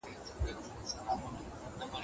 کمپيوټر سافټوېير تازه کېږي.